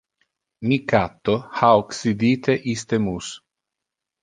Mi catto ha occidite iste mus.